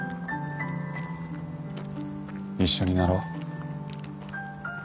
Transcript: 一緒になろう。